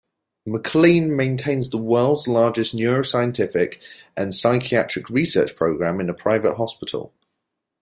McLean maintains the world's largest neuroscientific and psychiatric research program in a private hospital.